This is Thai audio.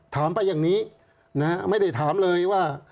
ถามไปอย่างนี้ไม่ได้ถามเลยว่า